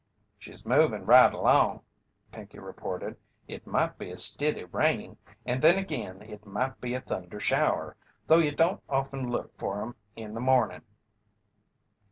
"She's movin' right along," Pinkey reported. "It might be a stiddy rain, and then agin it might be a thunder shower, though you don't often look for 'em in the morning."